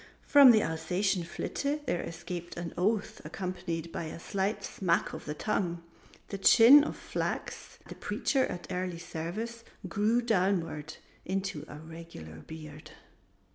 From the Alsatian Flitte there escaped an oath accompanied by a slight smack of the tongue. The chin of Flachs, the Preacher at Early Service, grew downward into a regular beard.